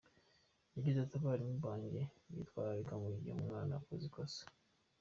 Yagize ati “Abarimu bajye bitwararika mu gihe umwana akoze ikosa.